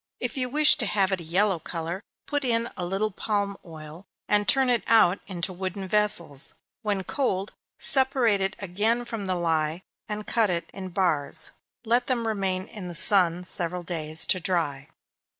If you wish to have it a yellow color, put in a little palm oil, and turn it out into wooden vessels. When cold, separate it again from the lye, and cut, it in bars let them remain in the sun several days to dry.